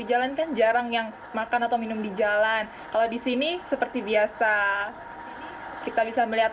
jalan kan jarang yang makan atau minum di jalan kalau disini seperti biasa kita bisa melihat